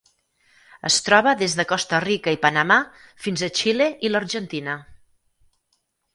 Es troba des de Costa Rica i Panamà fins a Xile i l'Argentina.